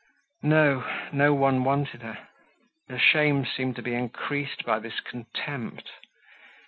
No; no one wanted her. Her shame seemed to be increased by this contempt.